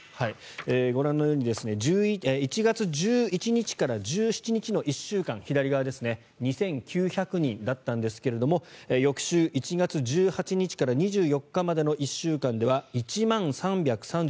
ご覧のように１月１１日から１７日の１週間左側、２９００人だったんですが翌週１月１８日から２４日までの１週間では１万３３６人。